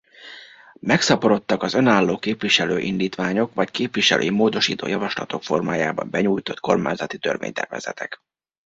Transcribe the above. Megszaporodtak az önálló képviselői indítványok vagy képviselői módosító javaslatok formájában benyújtott kormányzati törvénytervezetek.